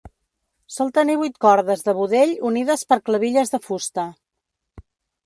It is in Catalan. Sol tenir vuit cordes de budell unides per clavilles de fusta.